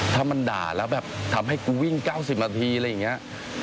ถ้ามันด่าแล้วแบบทำให้กูวิ่ง๙๐นาทีอะไรอย่างนี้